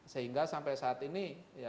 sehingga sampai saat ini